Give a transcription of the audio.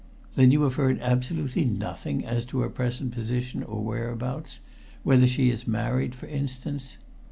"Then you have heard absolutely nothing as to her present position or whereabouts whether she is married, for instance?"